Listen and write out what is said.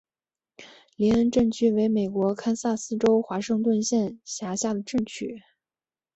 林恩镇区为美国堪萨斯州华盛顿县辖下的镇区。